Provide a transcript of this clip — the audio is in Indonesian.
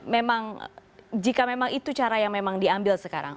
memang jika memang itu cara yang memang diambil sekarang